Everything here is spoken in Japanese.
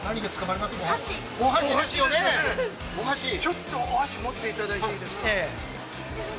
◆ちょっとお箸持っていただいていいですか。